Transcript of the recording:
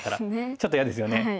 ちょっと嫌ですよね。